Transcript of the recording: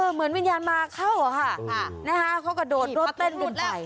เหมือนวิญญาณมาเข้าอะค่ะเขากระโดดรถเต้นหลุดไป